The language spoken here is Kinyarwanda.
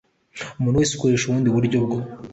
umuntu wese ukoresha ubundi buryo bwo